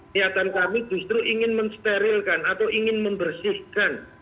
niatan kami justru ingin mensterilkan atau ingin membersihkan